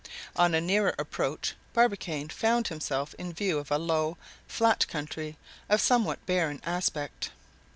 On a nearer approach Barbicane found himself in view of a low, flat country of somewhat barren aspect.